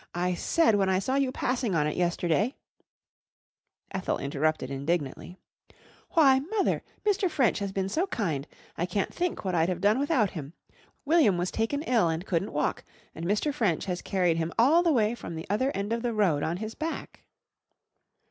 I said when I saw you passing on it yesterday " Ethel interrupted indignantly. "Why, Mother, Mr. French has been so kind. I can't think what I'd have done without him. William was taken ill and couldn't walk, and Mr. French has carried him all the way from the other end of the road, on his back."